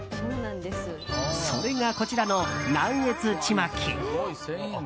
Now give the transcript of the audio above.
それがこちらの、南粤ちまき。